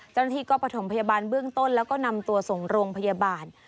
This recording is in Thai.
เจ้าหน้าที่ก็ประถมพยาบาลเบื้องต้นแล้วก็นำตัวส่งโรงพยาบาล